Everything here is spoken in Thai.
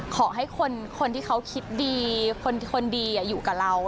ขอให้คนที่เขาคิดดีคนดีอยู่กับเรา